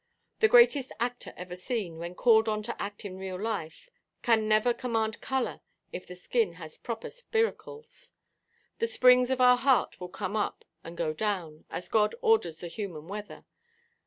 The greatest actor ever seen, when called on to act in real life, can never command colour if the skin has proper spiracles. The springs of our heart will come up and go down, as God orders the human weather.